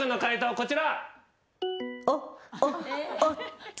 こちら。